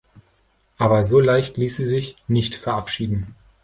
Aber so leicht ließ sie sich nicht verabschieden.